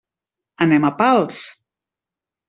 Anem a Pals.